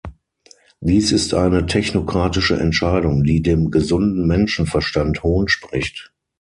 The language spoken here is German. Dies ist eine technokratische Entscheidung, die dem gesunden Menschenverstand Hohn spricht.